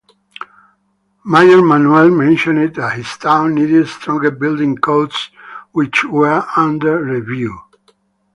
Mayor Manuel mentioned that his town needed stronger building codes, which were under review.